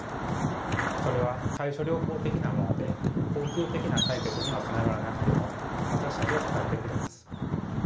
それは対処療法的なもので恒久的な解決にはつながらなくても私たちを支えてくれます。